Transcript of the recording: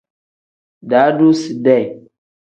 Daadoside.